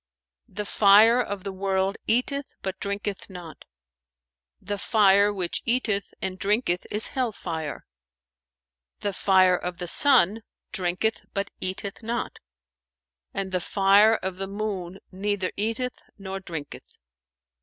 "The fire of the world eateth but drinketh not; the fire which eateth and drinketh is Hell fire; the fire of the sun drinketh but eateth not, and the fire of the moon neither eateth nor drinketh."